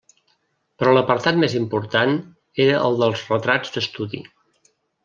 Però l'apartat més important era el dels retrats d'estudi.